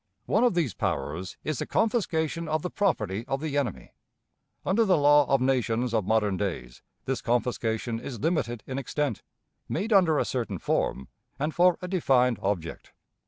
One of these powers is the confiscation of the property of the enemy. Under the law of nations of modern days this confiscation is limited in extent, made under a certain form, and for a defined object.